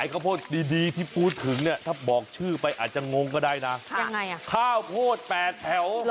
ข้าวโภ็ดดีคือบูรณ์ถึงเนี่ยบอกชื่อไปอาจจะงงก็ได้นะข้าวโภ็ดแปดแถว